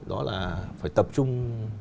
đó là phải tập trung